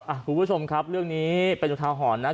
คุณผู้ชมครับเรื่องนี้เป็นอุทาหรณ์นะ